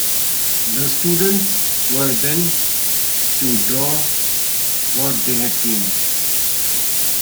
The students were then to draw what they had seen.